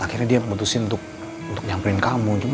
akhirnya dia memutuskan untuk nyamperin kamu